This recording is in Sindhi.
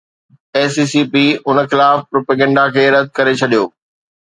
ايس اي سي پي ان خلاف پروپيگنڊا کي رد ڪري ڇڏيو